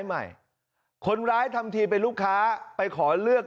ใหม่คนร้ายทำทีเป็นลูกค้าไปขอเลือก